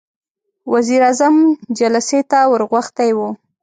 وزير اعظم جلسې ته ور غوښتی و.